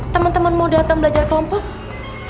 temen temenmu datang belajar kelompoknya